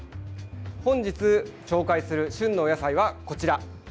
本日紹介する旬のお野菜はこちら。